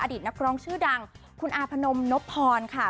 นักร้องชื่อดังคุณอาพนมนพพรค่ะ